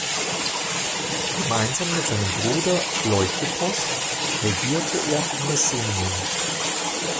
Gemeinsam mit seinem Bruder Leukippos regierte er Messenien.